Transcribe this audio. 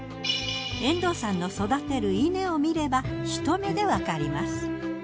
遠藤さんの育てる稲を見れば一目でわかります。